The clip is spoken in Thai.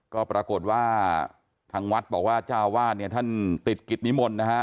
ก็ปรากฏว่าทางวัดบอกว่าเจ้าวาดเนี่ยท่านติดกิจนิมนต์นะฮะ